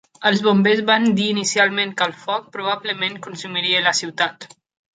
Els bombers van dir inicialment que el foc, probablement, consumiria la ciutat.